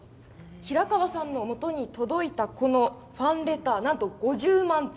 平川さんのもとに届いたファンレターなんと５０万通。